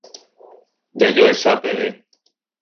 Jajoecha peve.